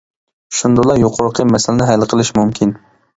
شۇندىلا يۇقىرىقى مەسىلىنى ھەل قىلىش مۇمكىن.